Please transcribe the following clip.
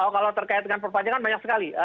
kalau terkait dengan perpanjangan banyak sekali